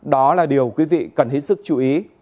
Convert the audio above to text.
đó là điều quý vị cần hết sức chú ý